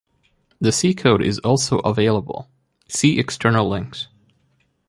The C code is also available, see External links.